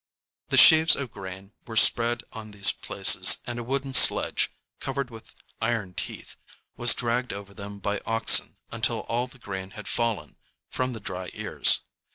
The sheaves of grain were spread on these places, and a wooden sledge, covered with iron teeth, was dragged over them by oxen until all the grain had fallen from the dry ears.